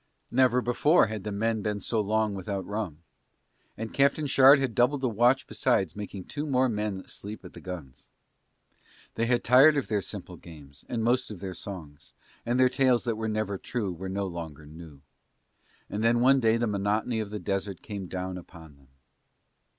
Never before had the men been so long without rum. And Captain Shard had doubled the watch besides making two more men sleep at the guns. They had tired of their simple games, and most of their songs, and their tales that were never true were no longer new. And then one day the monotony of the desert came down upon them.